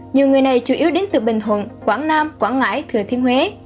nhiều người này chủ yếu đến từ bình thuận quảng nam quảng ngãi thừa thiên huế